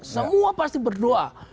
semua pasti berdoa